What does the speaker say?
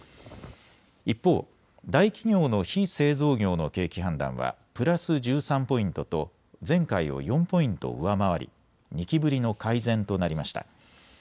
一方、大企業の非製造業の景気判断はプラス１３ポイントと前回を４ポイント上回り２期ぶりの改善となりました。